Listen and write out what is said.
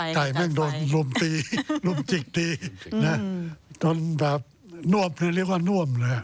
ไก่แม่งโดนรุ่มตีรุ่มจิกตีโดนแบบนวมเรียกว่านวมเลย